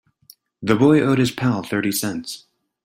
The boy owed his pal thirty cents.